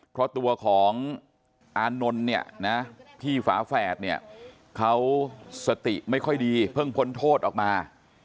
เพราะตัวของอานนท์เนี่ยนะพี่ฝาแฝดเนี่ยเขาสติไม่ค่อยดีเพิ่งพ้นโทษออกมา